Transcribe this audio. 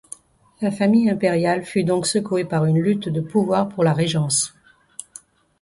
La famille impériale fut donc secouée par une lutte de pouvoir pour la régence.